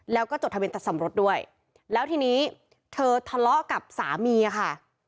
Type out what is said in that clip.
แล้วก็จดทะเบียนตัดสำรสด้วยแล้วทีนี้เธอทะเลาะกับสามีค่ะ